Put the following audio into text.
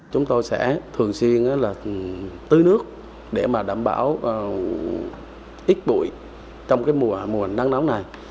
chúng tôi sẽ thường xuyên tư nước để đảm bảo ít bụi trong mùa đắng nóng này